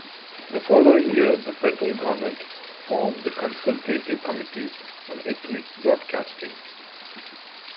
The following year, the Federal Government formed the Consultative Committee on Ethnic Broadcasting.